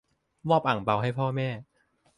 มอบอั่งเปาให้พ่อแม่